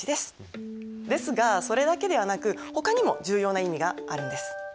ですがそれだけではなくほかにも重要な意味があるんです。